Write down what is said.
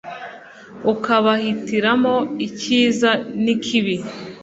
ukabahitiramo icyiza n’ikibi